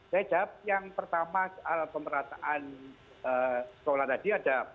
saya jawab yang pertama soal pemerataan sekolah tadi ada